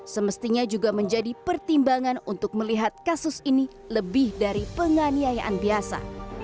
semestinya juga menjadi pertimbangan untuk melihat kasus ini lebih dari penganiayaan biasa